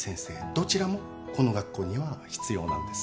どちらもこの学校には必要なんです。